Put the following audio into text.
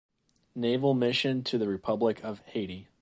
Naval Mission to the Republic of Haiti.